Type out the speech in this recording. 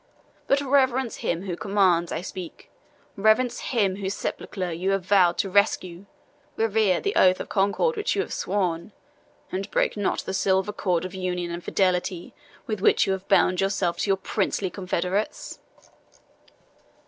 But reverence Him whose commands I speak reverence Him whose sepulchre you have vowed to rescue revere the oath of concord which you have sworn, and break not the silver cord of union and fidelity with which you have bound yourself to your princely confederates."